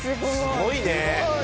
すごいね！